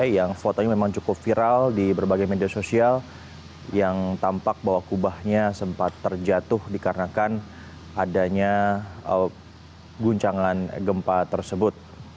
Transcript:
yang fotonya memang cukup viral di berbagai media sosial yang tampak bahwa kubahnya sempat terjatuh dikarenakan adanya guncangan gempa tersebut